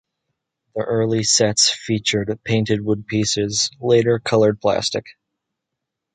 The early sets featured painted wood pieces, later sets colored plastic.